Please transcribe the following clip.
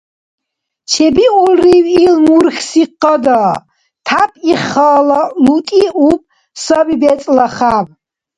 Чебиулрив их мурхьси къада? Тяп ихала лутӀиуб саби бецӀла хӀяб.